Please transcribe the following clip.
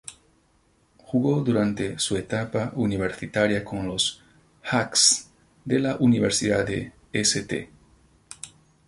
Jugó durante su etapa universitaria con los "Hawks" de la Universidad de St.